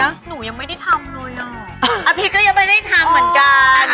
แล้วหนูยังไม่ได้ทำเลยอ่ะอาพีชก็ยังไม่ได้ทำเหมือนกัน